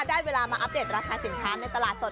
ได้เวลามาอัปเดตราคาสินค้าในตลาดสด